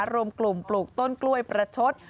รวมกลุ่มปลูกต้นกล้วยประชด